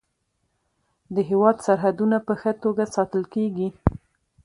د هیواد سرحدونه په ښه توګه ساتل کیږي.